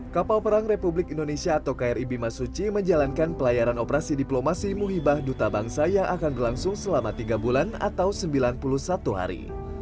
kapal perang republik indonesia atau kri bimasuci menjalankan pelayaran operasi diplomasi muhibah duta bangsa yang akan berlangsung selama tiga bulan atau sembilan puluh satu hari